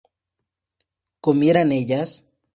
¿comieran ellas?